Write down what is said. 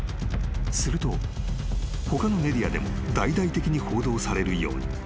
［すると他のメディアでも大々的に報道されるように］